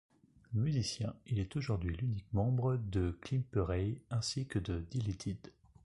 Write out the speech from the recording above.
Musicien, il est aujourd'hui l'unique membre de Klimperei, ainsi que de Deleted.